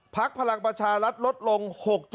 พักพลังประชารัฐลดลง๖๐๒